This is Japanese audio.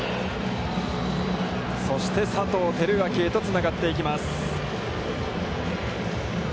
そして佐藤輝明へとつながっていきます。